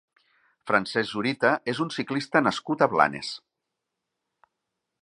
Francesc Zurita és un ciclista nascut a Blanes.